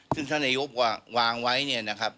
ซึ่งท่านนายกวางไว้เนี่ยนะครับ